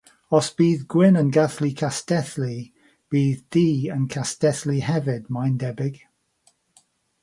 Os bydd Gwyn yn gallu castellu, bydd Du yn castellu hefyd mae'n debyg.